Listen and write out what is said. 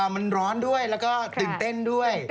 มันร้อนด้วยแล้วก็ตื่นเต้นด้วย